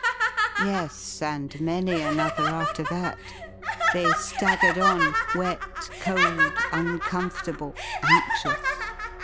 Yes, and many another after that. They staggered on, wet, cold, uncomfortable, anxious.